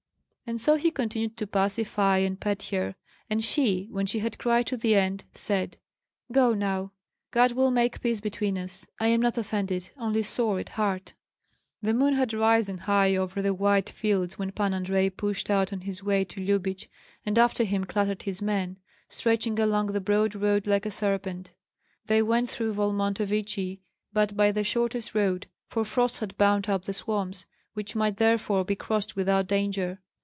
And so he continued to pacify and pet her; and she, when she had cried to the end, said: "Go now. God will make peace between us. I am not offended, only sore at heart." The moon had risen high over the white fields when Pan Andrei pushed out on his way to Lyubich, and after him clattered his men, stretching along the broad road like a serpent. They went through Volmontovichi, but by the shortest road, for frost had bound up the swamps, which might therefore be crossed without danger.